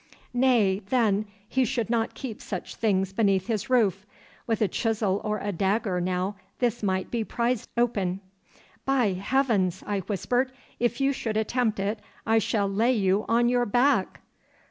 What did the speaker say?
'Nay, then, he should not keep such things beneath his roof. With a chisel or a dagger now, this might be prized open.' 'By Heaven!' I whispered, 'if you should attempt it I shall lay you on your back.